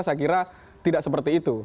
saya kira tidak seperti itu